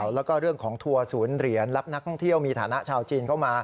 แล้วก็เรื่องของทัวร์ศูนย์เหรียญรับนักท่องเที่ยวมีฐานะชาวจีนเข้ามา